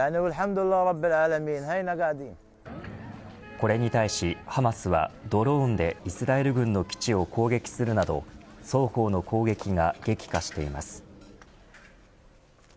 これに対しハマスはドローンでイスラエル軍の基地を攻撃するなど双方の攻撃が激化しています。